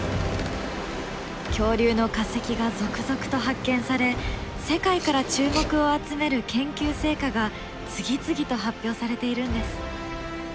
恐竜の化石が続々と発見され世界から注目を集める研究成果が次々と発表されているんです。